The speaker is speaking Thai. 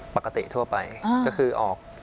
ปกติทั่วไปก็คือออก